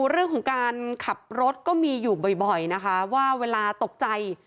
เรื่องของการขับรถก็มีอยู่บ่อยนะคะว่าเวลาตกใจ